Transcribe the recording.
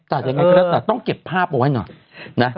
แต่จะยังไงก็จะต้องเก็บภาพเอาไว้หน่อยนะ